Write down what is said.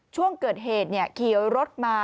ช่วงเกิดเหตุขี่รถมา